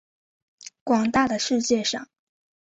广大的世界上